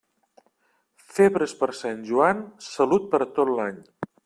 Febres per Sant Joan, salut per tot l'any.